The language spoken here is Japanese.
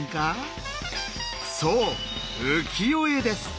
そう「浮世絵」です。